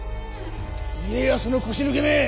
家康の腰抜けめ！